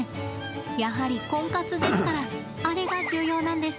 やはりコンカツですからあれが重要なんです。